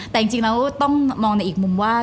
แต่จริงแล้วต้องมองในอีกมุมว่า